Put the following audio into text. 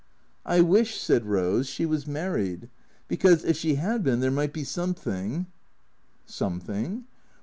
" I wish," said Eose, " she was married. Because, if she 'ad been, there might be something " "Something?"